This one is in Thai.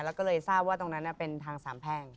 แล้วก็เลยทราบว่าตรงนั้นเป็นทางสามแพ่ง